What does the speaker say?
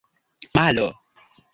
malo